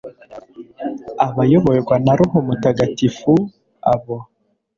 abayoborwa na roho mutagatifu, abo